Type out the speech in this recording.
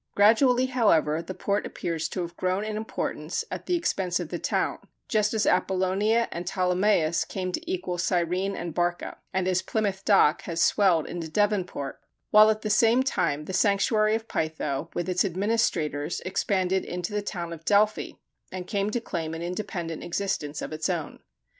Gradually, however, the port appears to have grown in importance at the expense of the town, just as Apollonia and Ptolemais came to equal Cyrene and Barca, and as Plymouth Dock has swelled into Devonport; while at the same time the sanctuary of Pytho with its administrators expanded into the town of Delphi, and came to claim an independent existence of its own.